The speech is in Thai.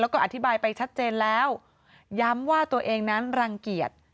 แล้วก็อธิบายไปชัดเจนแล้วย้ำว่าตัวเองนั้นรังเกียจ